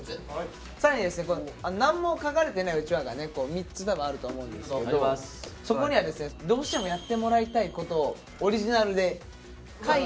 更にですね何も書かれてないうちわがね３つ多分あると思うんですけどそこにはですねどうしてもやってもらいたいことをオリジナルで書いて。